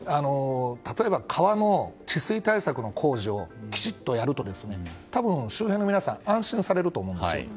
例えば川の治水対策の工事をきちっとやると多分、周辺の皆さん安心されると思うんです。